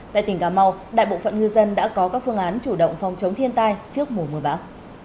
tại tỉnh cà mau đại bộ phận ngư dân đã có các phương án chủ động phòng chống thiên tai trước mùa mưa bão